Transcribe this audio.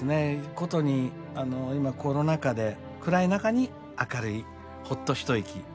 ことに今コロナ禍で暗い中に明るいほっと一息を届けるようなね